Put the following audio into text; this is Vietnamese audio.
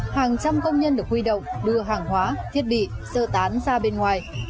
hàng trăm công nhân được huy động đưa hàng hóa thiết bị sơ tán ra bên ngoài